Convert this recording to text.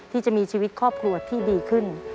ที่จะมีชีวิตครอบครัวที่ดีขึ้น